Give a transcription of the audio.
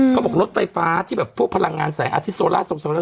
เขาบอกว่ารถไฟฟ้าที่แบบพวกพลังงานสายอาทิสโซล่าส